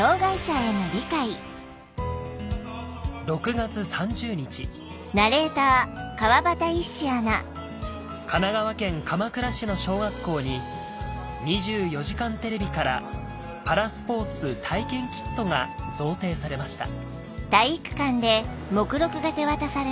６月３０日神奈川県鎌倉市の小学校に『２４時間テレビ』からパラスポーツ体験キットが贈呈されました